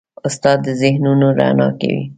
استاد د ذهنونو رڼا کوي.